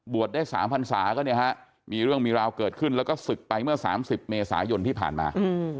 ได้๓พันศาก็เนี่ยฮะมีเรื่องมีราวเกิดขึ้นแล้วก็ศึกไปเมื่อ๓๐เมษายนที่ผ่านมา